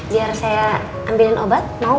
biar saya ambilin obat mau